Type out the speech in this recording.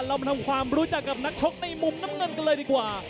เรามาทำความรู้จักกับนักชกในมุมน้ำเงินกันเลยดีกว่า